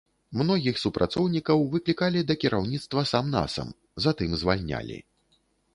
Многіх супрацоўнікаў выклікалі да кіраўніцтва сам-насам, затым звальнялі.